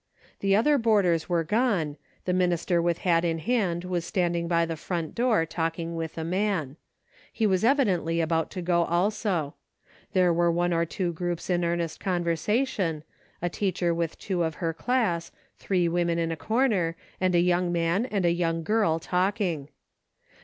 The other boarders were gone, the minister with hat in hand was standing by the front door talking with a man. He was evi dently about to go also. There were one or two groups in earnest conversation, a teacher 326 A DAILY BATE.^' with two of her class, three women in a corner, and a young man and a young girl 'talking.